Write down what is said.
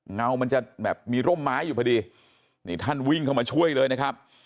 เงามันจะแบบมีร่มไม้อยู่พอดีนี่ท่านวิ่งเข้ามาช่วยเลยนะครับ